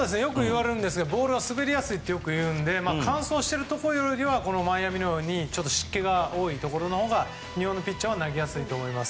よくボールが滑りやすいと云われるので乾燥しているところよりはマイアミのように湿気が多いところのほうが日本のピッチャーは投げやすいと思います。